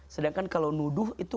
sedangkan kalau nuduh itu